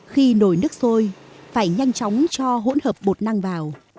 khi nồi nước sôi phải nhanh chóng cho hỗn hợp bột năng vào